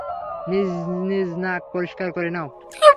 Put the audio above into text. নিজ নিজ নাক পরিষ্কার করে নাও।